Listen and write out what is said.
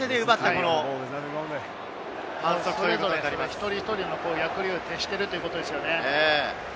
一人一人の役割に徹しているということですね。